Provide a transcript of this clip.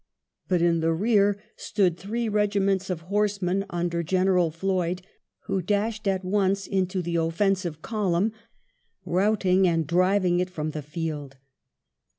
But in the rear stood three regiments of horsemen under General Floyd, who dashed at once into the offensive column, routing and driving it from the field.